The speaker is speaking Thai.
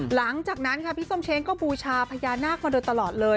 หลังจากนั้นค่ะพี่ส้มเช้งก็บูชาพญานาคมาโดยตลอดเลย